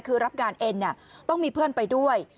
คือรับงานเอ็นต้องมีเพื่อนไปด้วย